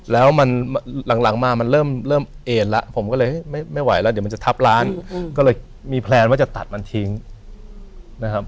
แล้วมันหลังมามันเริ่มเอ็นแล้วผมก็เลยไม่ไหวแล้วเดี๋ยวมันจะทับร้านก็เลยมีแพลนว่าจะตัดมันทิ้งนะครับ